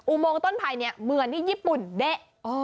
โมงต้นไผ่เนี่ยเหมือนที่ญี่ปุ่นเดะ